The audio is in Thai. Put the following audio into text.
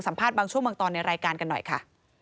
สัมภาษณ์บางชั่วเมืองตอนในรายการกันหน่อยค่ะ